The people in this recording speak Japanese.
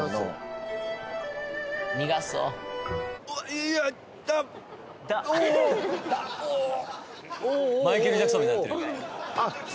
苦そうマイケル・ジャクソンみたいなってる